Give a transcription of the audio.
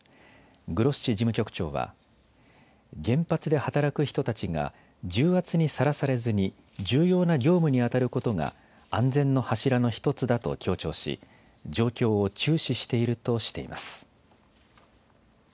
グロッシ事務局長は原発で働く人たちが重圧にさらされずに重要な業務にあたることが安全の柱の１つだと強調し状況を注視しているとしています。